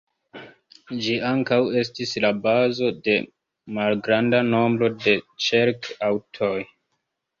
Ĝi ankaŭ estis la bazo de malgranda nombro da ĉerk-aŭtoj.